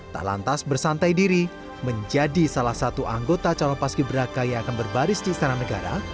tak lantas bersantai diri menjadi salah satu anggota calon paski beraka yang akan berbaris di istana negara